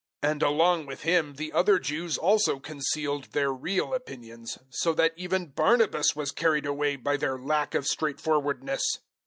002:013 And along with him the other Jews also concealed their real opinions, so that even Barnabas was carried away by their lack of straightforwardness.